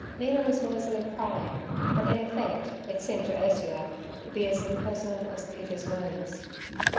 Mina was noisily crying, but, in effect, it seemed to Ursula to be as impersonal as Peter's moans.